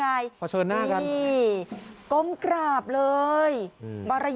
สายออกไปแล้วก็ไปสตาร์ทเลยครับ